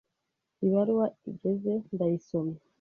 Ibaruwa igeze, ndayisomye.